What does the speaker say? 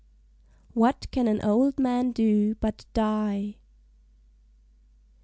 "WHAT CAN AN OLD MAN DO BUT DIE?"